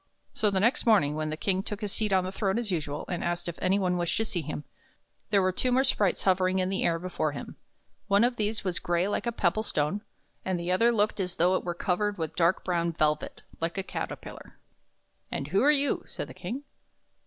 So the next morning when the King took his seat on his throne as usual, and asked if any one wished to see him, there were two more sprites hovering in the air before him. One of these was gray like a pebble stone, and the other looked as though it were covered with dark brown velvet, like a caterpillar. " And who are you? " said the King.